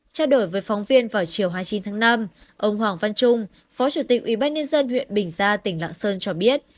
trao đổi với phóng viên vào chiều hai mươi chín tháng năm ông hoàng văn trung phó chủ tịch ủy ban nhân dân huyện bình gia tỉnh lạng sơn cho biết